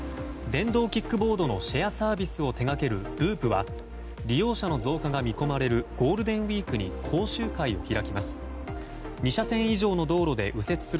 電動キックボードのシェアサービスを手掛けるＬＵＵＰは利用者の増加が見込まれるゴールデンウィークに講習会を開きます。